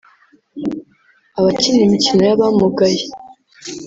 Abakina imikino y’abamugaye